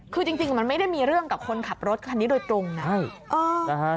คือจริงมันไม่ได้มีเรื่องกับคนขับรถคันนี้โดยตรงนะ